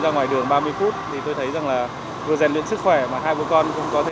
thì tôi thấy rằng là vừa rèn luyện sức khỏe mà hai bộ con cũng có thời gian để gây đau nhiều hơn